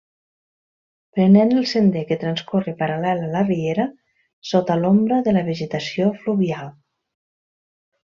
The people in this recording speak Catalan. Prenent el sender que transcorre paral·lel a la riera sota l’ombra de la vegetació fluvial.